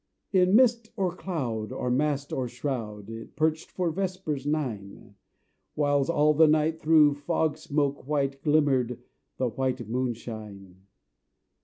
In mist or cloud, on mast or shroud, It perched for vespers nine; Whiles all the night, through fog smoke white, Glimmered the white Moon shine."